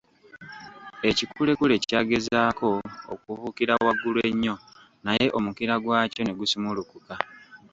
Ekikulekule kyagezaako okubuukira waggulu ennyo naye omukira gw'akyo ne gusumulukuka .